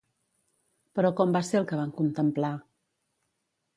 Però com va ser el que van contemplar?